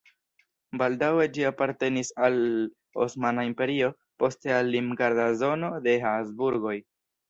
Baldaŭe ĝi apartenis al Osmana Imperio, poste al limgarda zono de Habsburgoj.